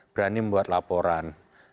berani membuat laporan